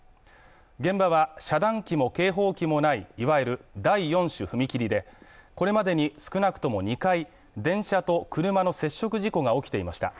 現場は遮断機も警報機もない、いわゆる第４種踏切で、これまでに少なくとも２回電車と車の接触事故が起きていました。